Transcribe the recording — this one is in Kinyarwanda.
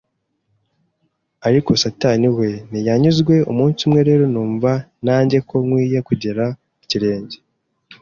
ariko satani we ntiyanyuzwe, umunsi umwe rero numva nanjyeko nkwiye kugera ikirenge